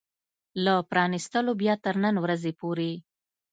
له پرانيستلو بيا تر نن ورځې پورې